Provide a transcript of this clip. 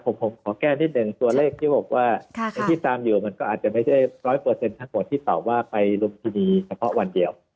ผมผมขอแก้นิดหนึ่งตัวเลขที่บอกว่าค่ะค่ะที่ตามอยู่มันก็อาจจะไม่ใช่ร้อยเปอร์เซ็นต์ทั้งหมดที่ตอบว่าไปรุมทีดีเฉพาะวันเดียว